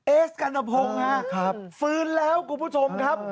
เอสกัณฑพงศ์ฮะฟื้นแล้วคุณผู้ชมครับ